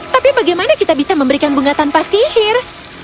tapi bagaimana kita bisa memberikan bunga tanpa sihir